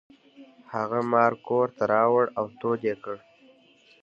هغه مار کور ته راوړ او تود یې کړ.